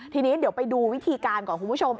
ทีนี้เดี๋ยวไปดูวิธีการก่อนคุณผู้ชม